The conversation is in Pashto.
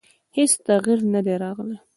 هېڅ تغییر نه دی راغلی.